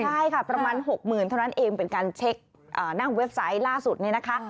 ใช่ค่ะประมาณหกหมื่นเท่านั้นเองเป็นการเช็คหน้าเว็บไซต์ล่าสุดนี้นะคะ